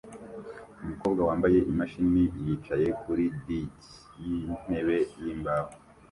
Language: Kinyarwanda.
Umukobwa wambaye imashini yicaye kuri dge yintebe yimbaho